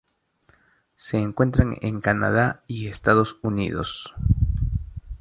Se encuentran en Canadá y Estados Unidos.